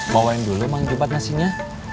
bawain dulu manjubat nasinya